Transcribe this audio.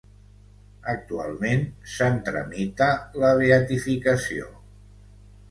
Actualment se'n tramita la beatificació.